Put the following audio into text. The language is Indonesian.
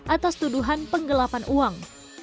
atas tuduhan penggelapan uang